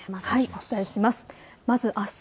お伝えします。